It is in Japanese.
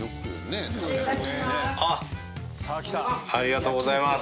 ありがとうございます。